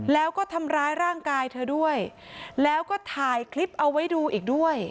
แล้วก็ทำร้ายร่างกายเธอด้วยแล้วก็ถ่ายคลิปเอาไว้ดูอีกด้วย